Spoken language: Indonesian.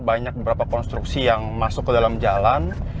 banyak beberapa konstruksi yang masuk ke dalam jalan